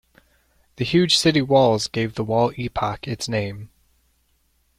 The huge city walls gave the wall epoch its name.